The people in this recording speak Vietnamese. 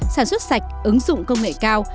sản xuất sạch ứng dụng công nghệ cao